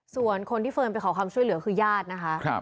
ส่วนคนที่เฟิร์นไปขอความช่วยเหลือคือญาตินะคะ